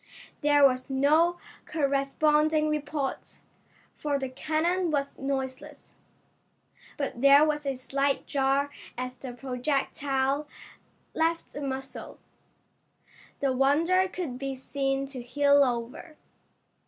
There was no corresponding report, for the cannon was noiseless, but there was a slight jar as the projectile left the muzzle. The Wonder could be seen to heel over.